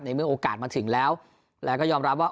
เมื่อโอกาสมาถึงแล้วแล้วก็ยอมรับว่า